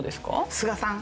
菅さん。